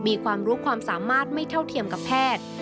มีความรู้ความสามารถไม่เท่าเทียมกับแพทย์